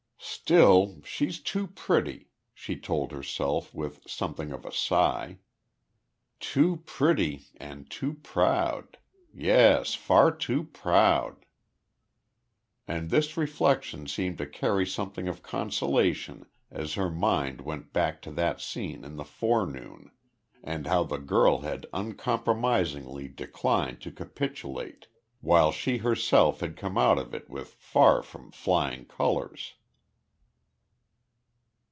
"Still she's too pretty," she told herself with something of a sigh. "Too pretty, and too proud. Yes far too proud." And this reflection seemed to carry something of consolation as her mind went back to that scene in the forenoon, and how the girl had uncompromisingly declined to capitulate, while she herself had come out of it with far from flying colours.